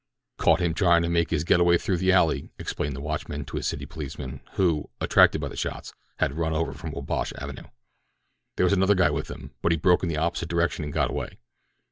"Caught him trying to make his getaway through the alley," explained the watchman to a city policeman who, attracted by the shots, had run over from Wabash Avenue. "There was another guy with him, but he broke in the opposite direction and got away.